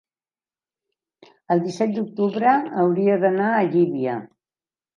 el disset d'octubre hauria d'anar a Llívia.